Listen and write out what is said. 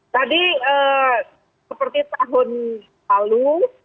tadi seperti tahun lalu